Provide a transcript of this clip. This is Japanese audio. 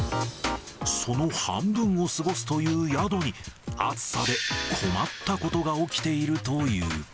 その半分を過ごすという宿に、暑さで困ったことが起きているという。